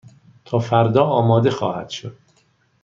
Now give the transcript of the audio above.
تا فردا آماده خواهد شد.